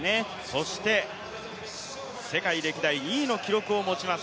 そして世界歴代２位の記録を持ちます